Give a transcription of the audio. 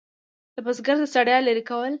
د بزګر ستړیا لرې کوي.